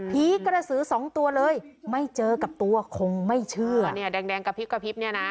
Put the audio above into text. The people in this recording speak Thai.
กระสือสองตัวเลยไม่เจอกับตัวคงไม่เชื่อเนี่ยแดงกระพริบกระพริบเนี่ยนะ